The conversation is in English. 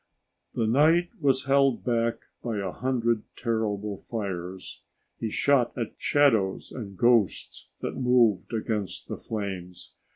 The night was held back by a hundred terrible fires. He shot at shadows and ghosts that moved against the flames.